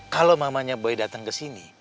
kalau mamanya boy datang kesini